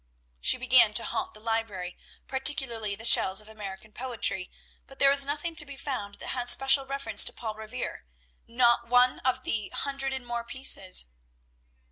She began to haunt the library, particularly the shelves of American poetry; but there was nothing to be found that had special reference to Paul Revere, not one of "the hundred and more pieces."